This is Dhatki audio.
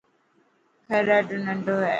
گھر ڏاڌو ننڊ هي.